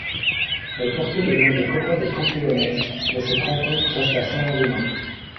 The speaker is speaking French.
Elle portait le nom de Copa de Campeones, mais cette rencontre resta sans lendemain.